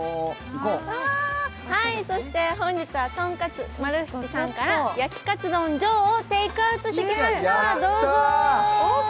本日は、とんかつ丸七さんから焼きカツ丼をテイクアウトしてきました、どうぞ。